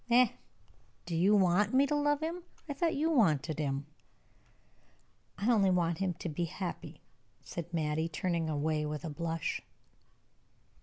"Eh? Do you want me to love him? I thought you wanted him." "I only want him to be happy," said Mattie, turning away, with a blush.